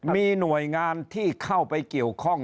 มีหน่วยงานที่เข้าไปเกี่ยวข้อง